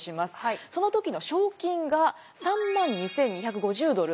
その時の賞金が３万２，２５０ドル。